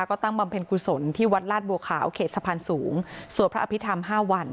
ก็ตั้งบำเพ็ญกุศลที่วัดลาดบัวขาวเขตสะพานสูงสวดพระอภิษฐรรม๕วัน